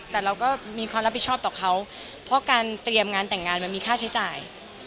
แต่เราก็มีความรับผิดชอบต่อเขาเพราะการเตรียมงานแต่งงานมันมีค่าใช้จ่าย